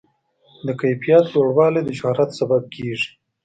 د کیفیت لوړوالی د شهرت سبب کېږي.